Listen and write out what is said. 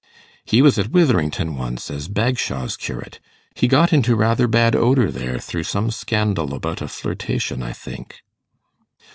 'He was at Witherington once, as Bagshawe's curate. He got into rather bad odour there, through some scandal about a flirtation, I think.